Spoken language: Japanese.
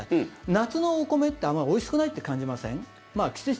夏のお米ってあまりおいしくないって感じません？